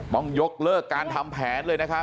ต้องยกเลิกการทำแผนเลยนะครับ